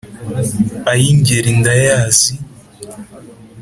Ay' Ingeri ndayazi,